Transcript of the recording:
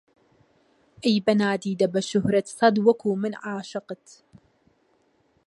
ئەی بە نادیدە، بە شوهرەت سەد وەکوو من عاشقت